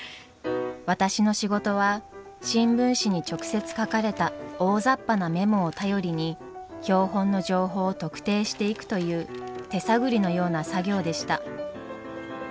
私の仕事は新聞紙に直接書かれた大ざっぱなメモを頼りに標本の情報を特定していくという手探りのような作業でした。